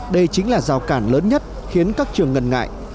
đây chính là rào cản lớn nhất khiến các trường ngần ngại